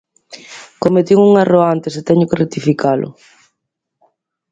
Cometín un erro antes e teño que rectificalo.